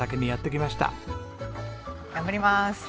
頑張ります。